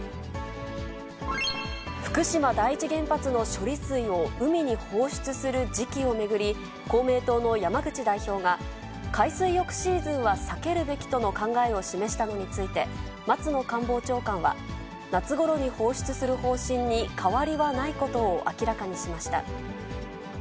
福島第一原発の処理水を海に放出する時期を巡り、公明党の山口代表が、海水浴シーズンは避けるべきとの考えを示したのについて、松野官房長官は、夏ごろに放出する方針に変わりはないことを明らかにしました。